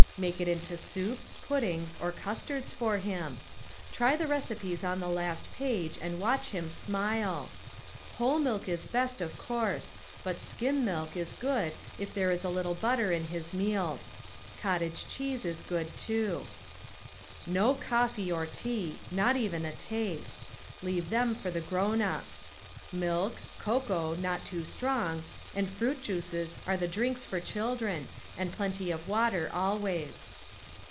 Make it into soups, puddings, or custards for him. Try the recipes on the last page and watch him smile. Whole milk is best, of course, but skim milk is good if there is a little butter in his meals. Cottage cheese is good, too. No coffee or tea ŌĆö not even a taste. Leave them for the grov/nups. Milk, cocoa, not too strong, and fruit juices are the drinks for children, and plenty of water always.